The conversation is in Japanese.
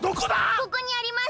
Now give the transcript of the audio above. ここにあります！